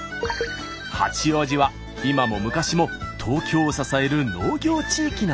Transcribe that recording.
八王子は今も昔も東京を支える農業地域なんです。